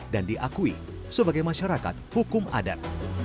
dan diakui sebagai masyarakat hukum adat